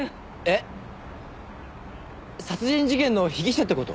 えっ殺人事件の被疑者って事？